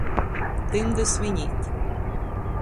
Dymdys viņ īt.